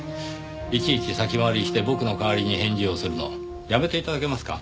いちいち先回りして僕の代わりに返事をするのやめて頂けますか？